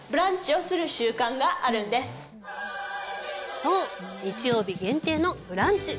そう、日曜日限定のブランチ！